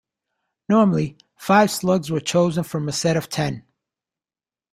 Normally five slugs were chosen from a set of ten.